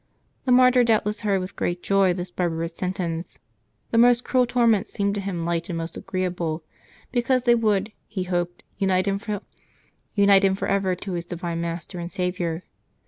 The martyr doubtless heard, with great joy, this barbarous sentence; the most cruel torments seemed May 7] LIVES OF TEE SAINTS 171 to him light and most agreeable, because they would, he hoped, unite him forever to his divine Master and Saviour.